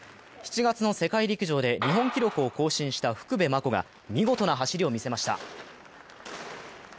７月の世界陸上で日本記録を更新した福部真子が見事な走りを見せました。